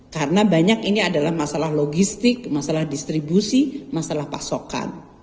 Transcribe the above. karena banyak ini adalah masalah logistik masalah distribusi masalah pasokan